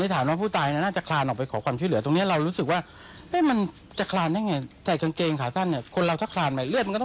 ส่วนนายสนั่นสกุลพรามอายุ๗๕เป็นท่านนิดเดียว